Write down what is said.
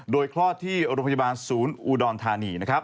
โดยคลอดที่โรงพยาบาลศูนย์อูดอนธานี